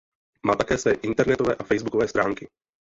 Má také své internetové a facebookové stránky.